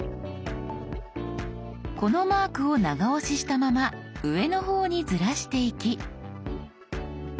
このマークを長押ししたまま上の方にずらしていき。